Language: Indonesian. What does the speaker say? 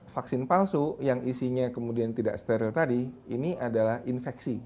vaksin palsu yang isinya kemudian tidak steril tadi ini adalah infeksi